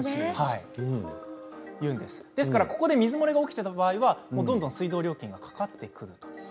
ですから、ここで水漏れが起きている場合はどんどん水道料金がかかってくると。